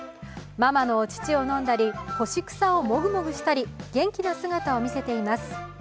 ママのお乳を飲んだり干し草をもぐもぐしたり元気な姿を見せています。